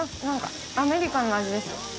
何かアメリカンな味です。